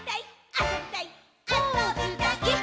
「あそびたいっ！！」